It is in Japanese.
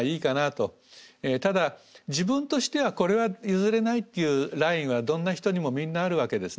ただ自分としてはこれは譲れないというラインはどんな人にもみんなあるわけですね。